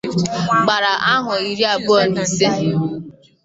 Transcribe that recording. gbara ahọ iri abụọ na isii